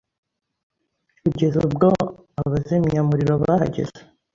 kugeza ubwo Abazimyamuriro bahageze